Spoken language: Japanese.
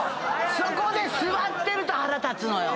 そこで座ってると腹立つのよ。